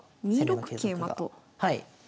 ２六桂馬と。